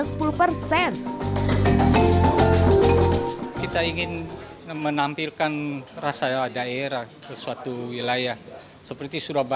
kepala ikan yang disediakan oleh kepala ikan lainnya ada di jalan perak timur surabaya